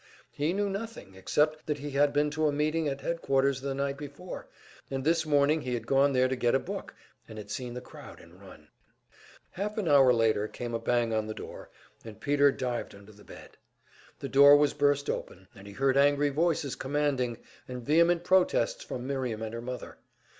He knew nothing, except that he had been to a meeting at headquarters the night before, and this morning he had gone there to get a book, and had seen the crowd and run. Half an hour later came a bang on the door, and Peter dived under the bed. The door was burst open, and he heard angry voices commanding, and vehement protests from Miriam and her mother.